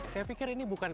saya pikir ini bukan